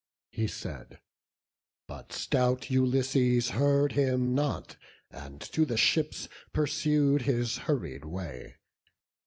He said; but stout Ulysses heard him not, And to the ships pursued his hurried way.